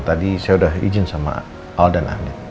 tadi saya udah izin sama al dan amin